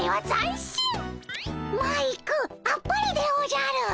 マイクあっぱれでおじゃる。